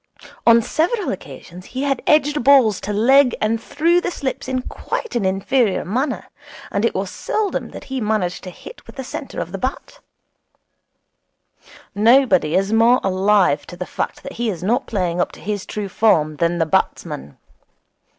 On several occasions he had edged balls to leg and through the slips in quite an inferior manner, and it was seldom that he managed to hit with the centre of the bat. Nobody is more alive to the fact that he is not playing up to his true form than the batsman.